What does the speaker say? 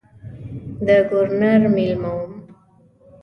د ګورنر مېلمه وم.